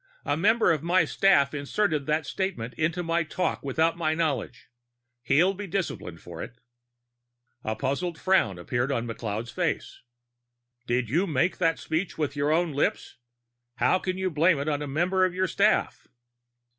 "A member of my staff inserted that statement into my talk without my knowledge. He'll be disciplined for it." A puzzled frown appeared on McLeod's face. "But you made that speech with your own lips! How can you blame it on a member of your staff?"